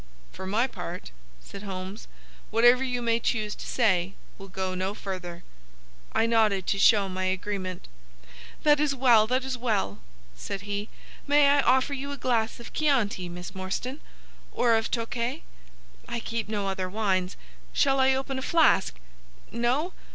"For my part," said Holmes, "whatever you may choose to say will go no further." I nodded to show my agreement. "That is well! That is well!" said he. "May I offer you a glass of Chianti, Miss Morstan? Or of Tokay? I keep no other wines. Shall I open a flask? No?